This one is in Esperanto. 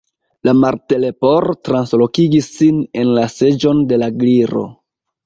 La Martleporo translokigis sin en la seĝon de la Gliro.